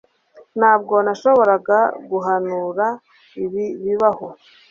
Ntabwo nashoboraga guhanura ibi bibaho